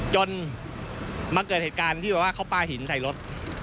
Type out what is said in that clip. จนมาเกิดเหตุการณ์ที่แบบว่าเขาปลาหินใส่รถ